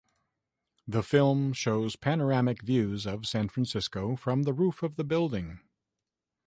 The film shows panoramic views of San Francisco from the roof of the building.